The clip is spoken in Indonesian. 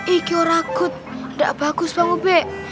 ikio rakut gak bagus bang ube